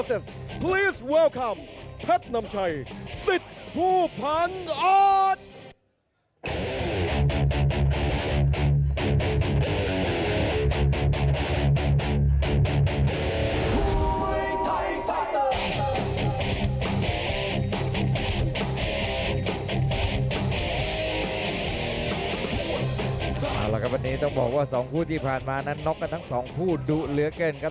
เอาละครับวันนี้ต้องบอกว่า๒คู่ที่ผ่านมานั้นน็อกกันทั้งสองคู่ดุเหลือเกินครับ